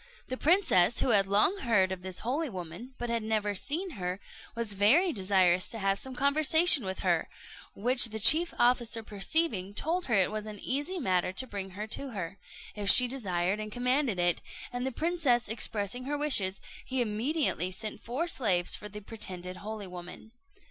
The princess, who had long heard of this holy woman, but had never seen her, was very desirous to have some conversation with her; which the chief officer perceiving, told her it was an easy matter to bring her to her, if she desired and commanded it; and the princess expressing her wishes, he immediately sent four slaves for the pretended holy woman.